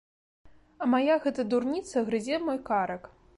А мая гэта дурніца грызе мой карак.